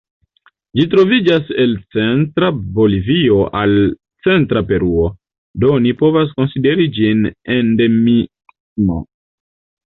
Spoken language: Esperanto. Ĝi troviĝas el centra Bolivio al centra Peruo, do oni povas konsideri ĝin endemismo.